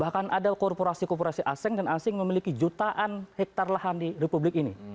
bahkan ada korporasi korporasi asing dan asing memiliki jutaan hektare lahan di republik ini